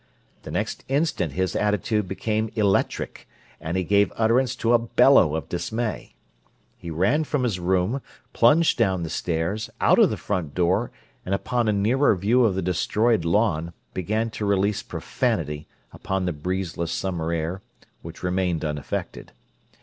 The next instant his attitude became electric, and he gave utterance to a bellow of dismay. He ran from his room, plunged down the stairs, out of the front door, and, upon a nearer view of the destroyed lawn, began to release profanity upon the breezeless summer air, which remained unaffected.